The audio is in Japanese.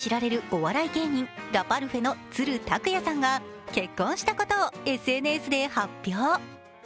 ウッディのものまねなどで知られる、お笑い芸人、ラパルフェの都留拓也さんが結婚したことをＳＮＳで発表。